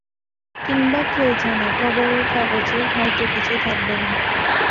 কিংবা কে জানে খবরের কাগজে হয়তো কিছু থাকবে না।